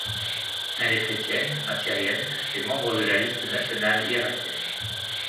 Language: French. Elle est chrétienne, assyrienne, et membre de la Liste nationale irakienne.